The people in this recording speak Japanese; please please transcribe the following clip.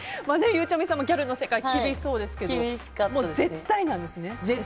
ゆうちゃみさんもギャルの世界は厳しそうですけど絶対ですね。